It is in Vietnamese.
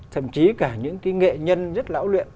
thậm chí cả những cái nghệ nhân rất lão luyện